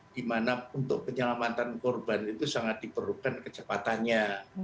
di mana untuk penyelamatan korban itu sangat diperlukan kecepatannya